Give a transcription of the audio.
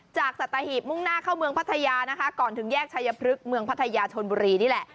สัตหีบมุ่งหน้าเข้าเมืองพัทยานะคะก่อนถึงแยกชายพลึกเมืองพัทยาชนบุรีนี่แหละ